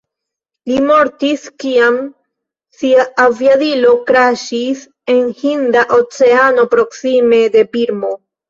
Li mortis kiam sia aviadilo kraŝis en Hinda Oceano proksime de Birmo.